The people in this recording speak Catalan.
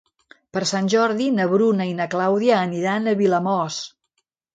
Per Sant Jordi na Bruna i na Clàudia aniran a Vilamòs.